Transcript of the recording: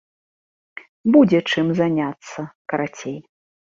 Будзе, чым заняцца, карацей.